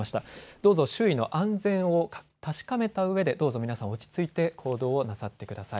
どうぞ周囲の安全を確かめたうえでどうぞ皆さん、落ち着いて行動をなさってください。